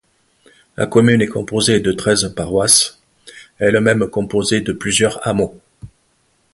La commune est composée de treize paroisses, elles-mêmes composées de plusieurs hameaux.